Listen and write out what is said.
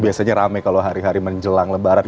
biasanya rame kalau hari hari menjelang lebaran